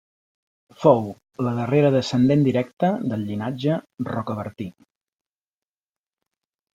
Fou la darrera descendent directa del llinatge Rocabertí.